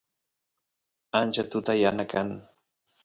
ancha tuta yana kan